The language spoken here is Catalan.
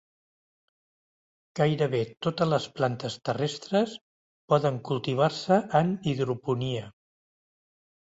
Gairebé totes les plantes terrestres poden cultivar-se en hidroponia.